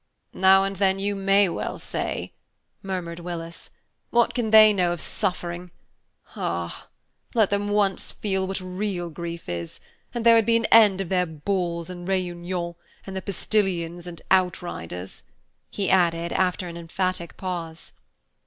"Now and then you may well say," murmured Willis. "What can they know of suffering? Ah! let them once feel what real grief is, and there would be an end of their balls and réunions, and their postilions and outriders," he added, after an emphatic pause.